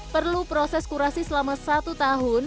perlu proses kurasi selama satu tahun